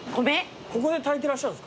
ここで炊いてらっしゃるんですか？